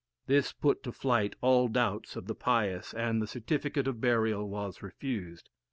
This put to flight all doubts of the pious, and the certificate of burial was refused.